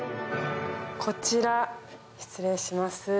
こちら失礼します。